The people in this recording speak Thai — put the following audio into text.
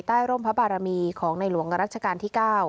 ร่มพระบารมีของในหลวงรัชกาลที่๙